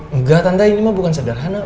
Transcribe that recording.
enggak tanda ini mah bukan sederhana